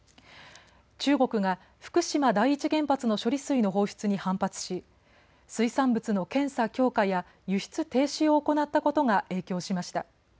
中国が福島第一原発の処理水の放出に反発し水産物の検査強化や輸出停止を行ったことが影響しました。